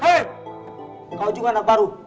hei kau juga anak baru